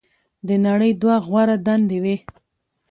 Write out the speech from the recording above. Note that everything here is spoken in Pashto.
"د نړۍ دوه غوره دندې وې.